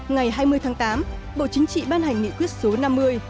ngày hai mươi tháng tám bộ chính trị ban hành nghị quyết số năm mươi